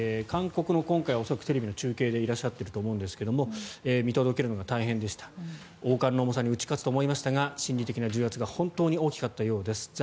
韓国の、恐らくテレビの中継でいらっしゃっていると思うんですが見届けるのが大変でした王冠の重さに打ち勝つと思いましたが心理的な重圧が本当に大きかったようです